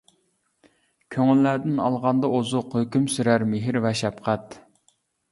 كۆڭۈللەردىن ئالغاندا ئوزۇق، ھۆكۈم سۈرەر مېھىر ۋە شەپقەت.